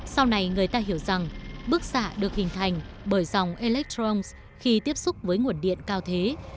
sau này người ta hiểu rằng bức xạ được hình thành bởi dòng electrongs khi tiếp xúc với nguồn điện cao thế